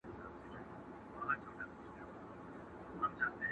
خدایه هیله مي شاعره کړې ارمان راته شاعر کړې،